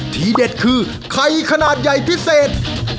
ที่เด็ดคือไข่ขนาดใหญ่พิเศษ